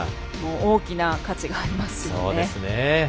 大きな価値がありますよね。